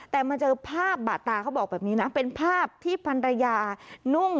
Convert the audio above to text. แต่มาเจอภาพบาดตาเขาบอกแบบนี้นะเป็นภาพที่พันรยานุ่ง